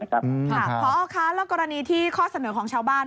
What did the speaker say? พอคะแล้วกรณีที่ข้อเสนอของชาวบ้าน